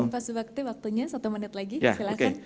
pak subakte waktunya satu menit lagi silakan